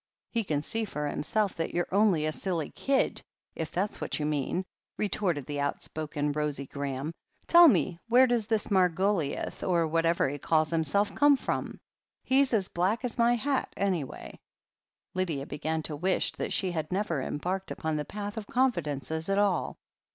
"He can see for himself that you're only a silly kid, if that's what you mean," retorted the outspoken Rosie Graham. "Tell me, where does this Margoliouth, or whatever he calls himself, come from? He's as black as my hat, anyway." Lydia began to wish that she had never embarked upon the path of confidences at all.